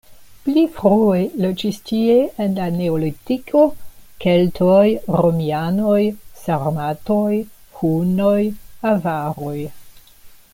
Pli frue loĝis tie en la neolitiko, keltoj, romianoj, sarmatoj, hunoj, avaroj.